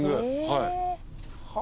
はい。